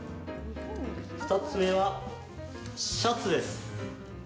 ２つ目は、シャツです。